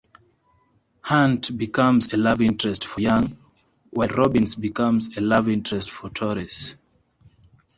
Hunt becomes a love-interest for Yang, while Robbins becomes a love-interest for Torres.